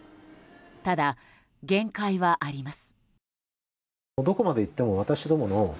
ただ、限界はあります。